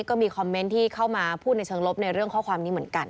ก็มีคอมเมนต์ที่เข้ามาพูดในเชิงลบในเรื่องข้อความนี้เหมือนกัน